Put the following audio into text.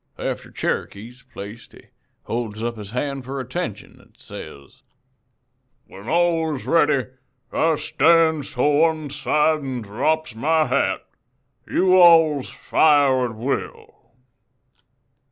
After Cherokee's placed he holds up his hand for attention an' says: "'When all is ready I stands to one side an' drops my hat. You alls fires at will.'